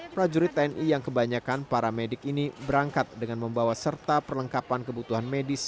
prajurit tni yang kebanyakan para medik ini berangkat dengan membawa serta perlengkapan kebutuhan medis